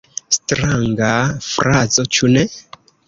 Stranga frazo, ĉu ne?